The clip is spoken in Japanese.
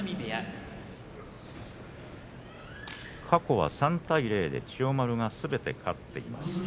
過去は３対０千代鳳がすべて勝っています。